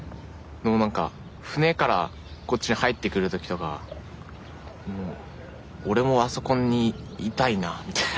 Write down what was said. その何か船からこっちに入ってくる時とか俺もあそこにいたいなみたいな。